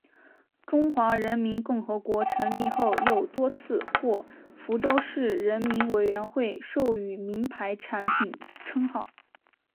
中华人民共和国成立后又多次获福州市人民委员会授予名牌产品称号。